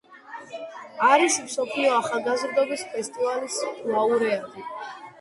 არის მსოფლიო ახალგაზრდობის ფესტივალის ლაურეატი.